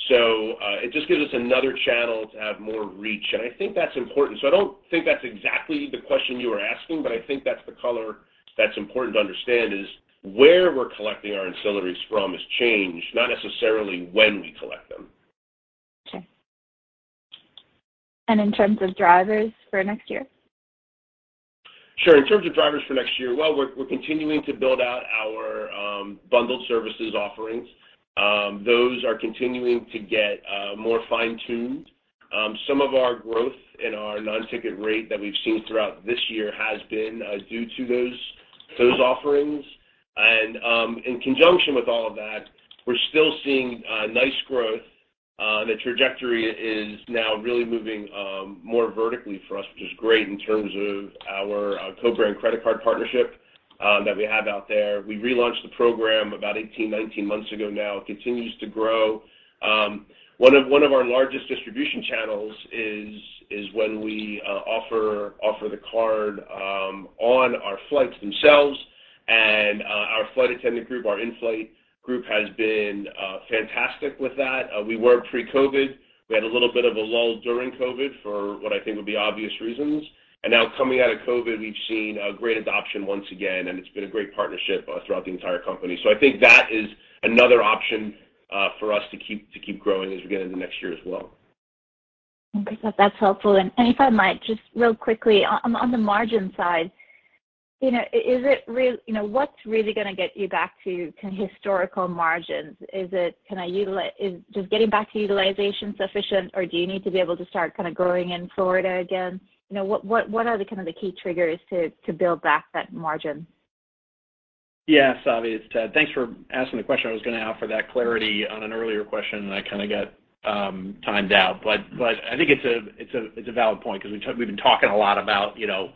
It just gives us another channel to have more reach, and I think that's important. I don't think that's exactly the question you were asking, but I think that's the color that's important to understand is where we're collecting our ancillaries from has changed, not necessarily when we collect them. Okay. In terms of drivers for next year? Sure. In terms of drivers for next year, well, we're continuing to build out our bundled services offerings. Those are continuing to get more fine-tuned. Some of our growth in our non-ticket rate that we've seen throughout this year has been due to those offerings. In conjunction with all of that, we're still seeing nice growth. The trajectory is now really moving more vertically for us, which is great in terms of our co-brand credit card partnership that we have out there. We relaunched the program about 18-19 months ago now. It continues to grow. One of our largest distribution channels is when we offer the card on our flights themselves, and our flight attendant group, our in-flight group has been fantastic with that. We were pre-COVID. We had a little bit of a lull during COVID for what I think would be obvious reasons. Now coming out of COVID, we've seen a great adoption once again, and it's been a great partnership throughout the entire company. I think that is another option for us to keep growing as we get into next year as well. Okay. That's helpful. If I might, just really quickly, on the margin side, you know, is it real? You know, what's really gonna get you back to kind of historical margins? Is just getting back to utilization sufficient, or do you need to be able to start kind of growing in Florida again? You know, what are the kind of key triggers to build back that margin? Yeah, Savi, it's Ted. Thanks for asking the question. I was gonna offer that clarity on an earlier question, and I kinda got timed out. I think it's a valid point because we've been talking a lot about, you know,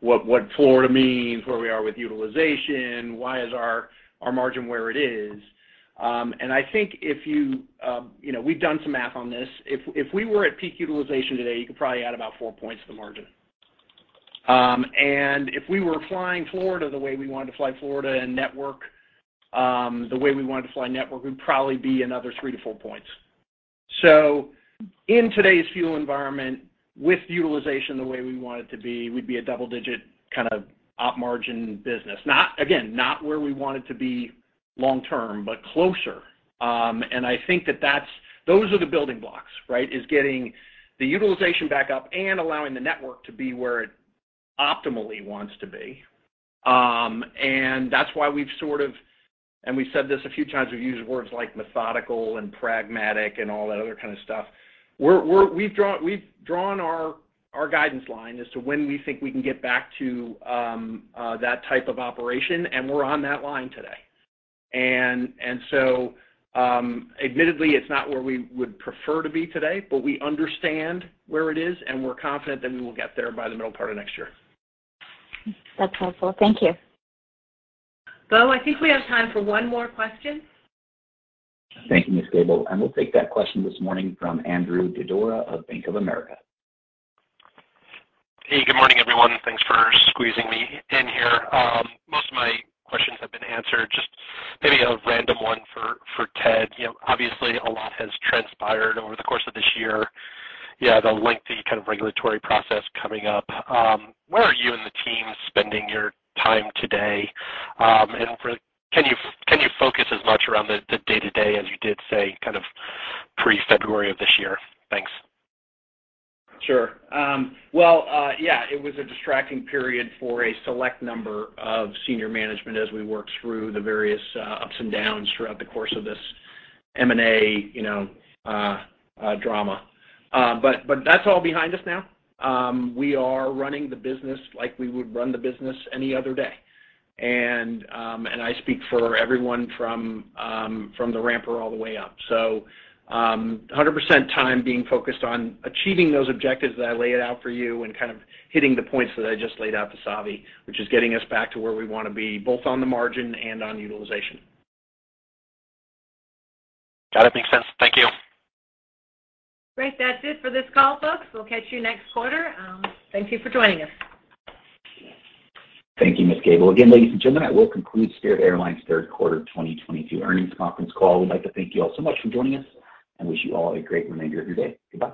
what Florida means, where we are with utilization, why is our margin where it is. I think you know, we've done some math on this. If we were at peak utilization today, you could probably add about 4% to the margin. If we were flying Florida the way we wanted to fly Florida and network, the way we wanted to fly network, we'd probably be another 3%-4%. In today's fuel environment with utilization the way we want it to be, we'd be a double-digit kind of op margin business. Not, again, not where we want it to be long term, but closer. I think that's those are the building blocks, right? Is getting the utilization back up and allowing the network to be where it optimally wants to be. That's why we've sort of, and we've said this a few times, we've used words like methodical and pragmatic and all that other kind of stuff. We're we've drawn our guidance line as to when we think we can get back to that type of operation, and we're on that line today. Admittedly, it's not where we would prefer to be today, but we understand where it is, and we're confident that we will get there by the middle part of next year. That's helpful. Thank you. Bo, I think we have time for one more question. Thank you, Ms. Gabel. We'll take that question this morning from Andrew Didora of Bank of America. Hey, good morning, everyone. Thanks for squeezing me in here. Most of my questions have been answered. Just maybe a random one for Ted. You know, obviously a lot has transpired over the course of this year. You have the lengthy kind of regulatory process coming up. Where are you and the team spending your time today? Can you focus as much around the day-to-day as you did, say, kind of pre-February of this year? Thanks. Sure. Well, yeah, it was a distracting period for a select number of senior management as we worked through the various ups and downs throughout the course of this M&A, you know, drama. That's all behind us now. We are running the business like we would run the business any other day. I speak for everyone from the ramper all the way up. 100% time being focused on achieving those objectives that I laid out for you and kind of hitting the points that I just laid out to Savi, which is getting us back to where we wanna be, both on the margin and on utilization. Got it. Makes sense. Thank you. Great. That's it for this call, folks. We'll catch you next quarter. Thank you for joining us. Thank you, Ms. Gabel. Again, ladies and gentlemen, that will conclude Spirit Airlines' third quarter 2022 earnings conference call. We'd like to thank you all so much for joining us and wish you all a great remainder of your day. Goodbye.